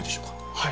はい。